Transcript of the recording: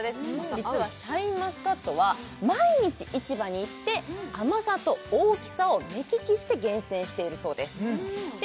実はシャインマスカットは毎日市場に行って甘さと大きさを目利きして厳選しているそうですで